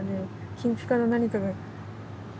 金ぴかの何かが。